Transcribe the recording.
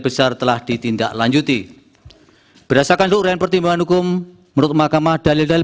besar telah ditindaklanjuti berdasarkan ukuran pertimbangan hukum menurut mahkamah dalil dalil